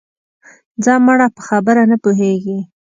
ځه مړه په خبره نه پوهېږې